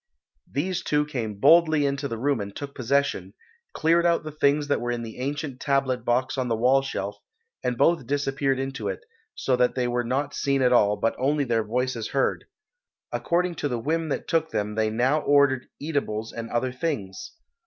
These two came boldly into the room and took possession, cleared out the things that were in the ancient tablet box on the wall shelf, and both disappeared into it, so that they were not seen at all, but only their voices heard. According to the whim that took them they now ordered eatables and other things.